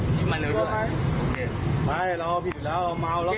พี่แมนแล้วไหมไม่รอปิดแล้วเมาแล้ว